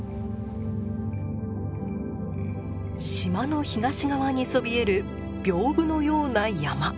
島の東側にそびえるびょうぶのような山。